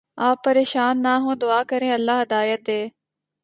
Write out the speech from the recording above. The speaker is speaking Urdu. آپ پریشان نہ ہوں دعا کریں اللہ ہدایت دے